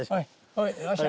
はいよっしゃ。